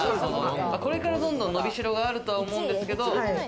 これから伸びしろがあると思うんですけど。